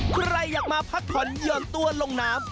ใครอยากมาพักผ่อนหย่อนตัวลงน้ำ